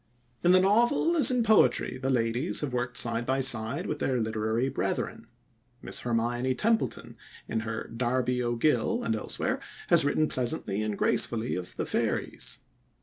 In the novel as in poetry the ladies have worked side by side with their literary brethren. Miss Hermione Templeton, in her Darby O'Gill, and elsewhere, has written pleasantly and gracefully of the fairies.